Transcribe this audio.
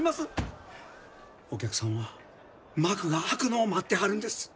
お客さんは幕が開くのを待ってはるんです。